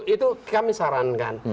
itu kami sarankan